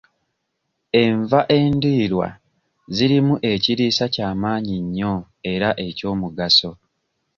Enva endiirwa zirimu ekiriisa kya maanyi nnyo era eky'omugaso.